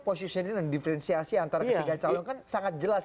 posisi dan difrensiasi antara ketiga calon kan sangat jelas